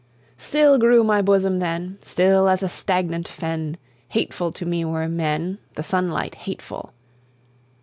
"Still grew my bosom then, Still as a stagnant fen! Hateful to me were men, The sunlight hateful!